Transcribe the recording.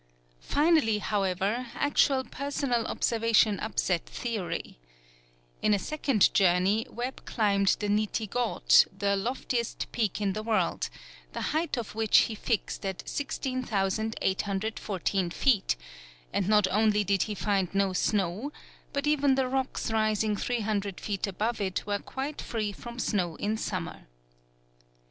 Finally, however, actual personal observation upset theory. In a second journey, Webb climbed the Niti Ghaut, the loftiest peak in the world, the height of which he fixed at 16,814 feet, and not only did he find no snow, but even the rocks rising 300 feet above it were quite free from snow in summer.